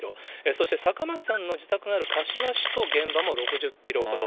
そして、坂巻さんの自宅がある柏市と現場も６０キロほど。